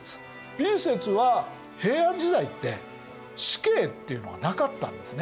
Ｂ説は平安時代って死刑っていうのがなかったんですね。